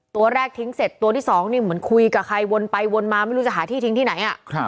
ตัวแรกทิ้งเสร็จตัวที่สองนี่เหมือนคุยกับใครวนไปวนมาไม่รู้จะหาที่ทิ้งที่ไหน